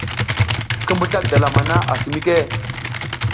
Ki mbuzla dalam hana asi mike ?